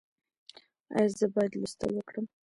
ایا زه باید لوستل وکړم؟